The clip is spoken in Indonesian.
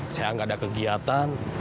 saya nggak ada kegiatan